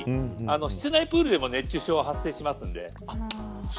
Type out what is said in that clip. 室内プールでも熱中症は発生するので。